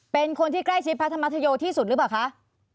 เป็นคนที่ใกล้ชิดพระธรรมชโยที่สุดหรือเปล่าคะ